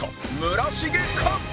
村重か？